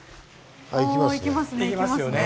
あっいきますね。